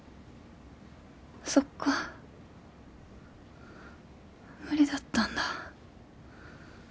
そっか無理だったんだ。